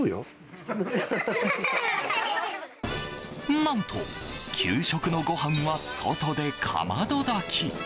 何と給食のご飯は外で、かまど炊き。